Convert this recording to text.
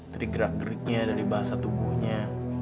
dari gerak geriknya dari bahasa tubuhnya